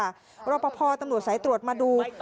เรารอปภตำหนูห์สายตรวจมาดู